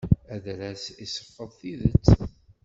Adras iseffeḍ tidet.